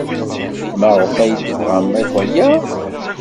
Maɣef ay tebɣam akk aya?